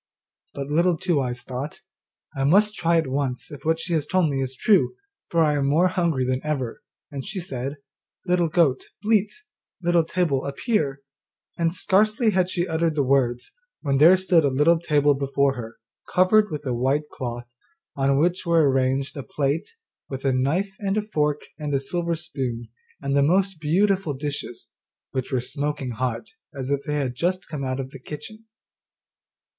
But Little Two eyes thought, 'I must try at once if what she has told me is true, for I am more hungry than ever'; and she said, 'Little goat, bleat, Little table appear,' and scarcely had she uttered the words, when there stood a little table before her covered with a white cloth, on which were arranged a plate, with a knife and fork and a silver spoon, and the most beautiful dishes, which were smoking hot, as if they had just come out of the kitchen.